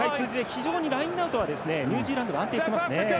非常にラインアウトはニュージーランド安定してますね。